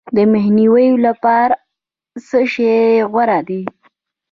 د مخنیوي لپاره څه شی غوره دي؟